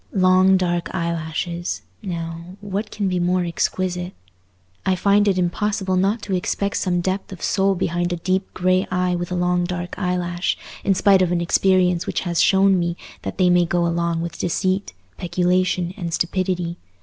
Long dark eyelashes, now—what can be more exquisite? I find it impossible not to expect some depth of soul behind a deep grey eye with a long dark eyelash, in spite of an experience which has shown me that they may go along with deceit, peculation, and stupidity.